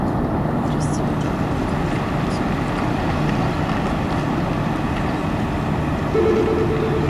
It is sited at the confluence of the Kanawha River and the Pocatalico River.